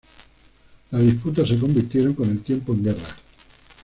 Las disputas se convirtieron con el tiempo en guerra.